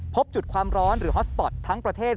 พบจุดความร้อนหรือฮอสปอร์ตทั้งประเทศ